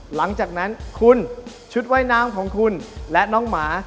หลังจากนั้นคุณชุดว่ายน้ำของคุณและน้องหมา